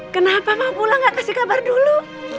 kenapa mau pulang gak kasih kabar dulu